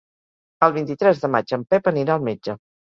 El vint-i-tres de maig en Pep anirà al metge.